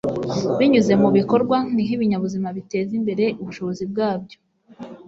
binyuze mu bikorwa niho ibinyabuzima biteza imbere ubushobozi bwabyo